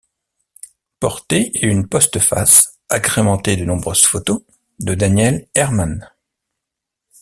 Porter et une postface, agrémentée de nombreuses photos, de Daniel Herman.